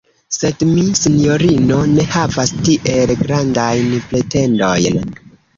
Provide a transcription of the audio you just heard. Sed mi, sinjorino, ne havas tiel grandajn pretendojn.